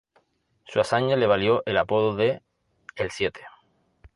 Su hazaña le valió el apodo de ""El Siete"".